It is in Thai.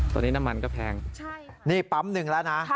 ตอนนี้น้ำมันก็แพงใช่ค่ะใช่ค่ะนี่ปั๊มนึงแล้วนะค่ะ